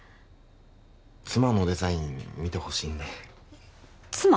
妻のデザイン見てほしいんで妻？